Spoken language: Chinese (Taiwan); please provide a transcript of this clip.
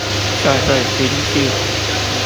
社會經濟